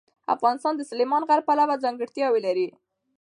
افغانستان د سلیمان غر پلوه ځانګړتیاوې لري.